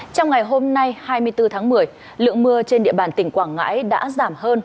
trong ngày hôm nay hai mươi bốn tháng một mươi lượng mưa trên địa bàn tỉnh quảng ngãi đã giảm hơn